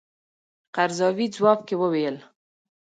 قرضاوي ځواب کې وویل.